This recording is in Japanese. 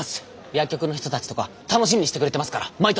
薬局の人たちとか楽しみにしてくれてますから毎年。